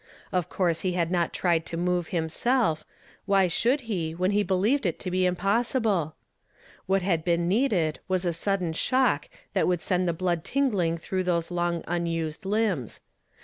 Of course he had not tried to move liimself ; why should he, when he believed it to be impossible ? What had been needed was a sudden shock that would send the blood tingling through those long unused limbs.